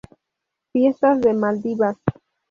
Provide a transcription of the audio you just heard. Fiestas de Maldivas